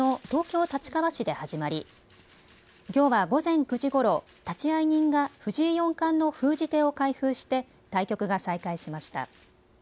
東京立川市で始まりきょうは午前９時ごろ、立会人が藤井四冠の封じ手を開封して対局が再開しました。